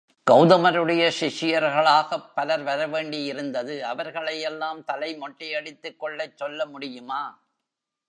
கௌதமருடைய சிஷ்யர்களாகப் பலர் வரவேண்டியிருந்தது அவர்களையெல்லாம் தலை மொட்டையடித்துக்கொள்ளச் சொல்ல முடியுமா?